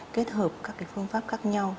kết hợp các phương pháp khác nhau